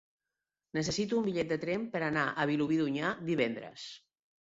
Necessito un bitllet de tren per anar a Vilobí d'Onyar divendres.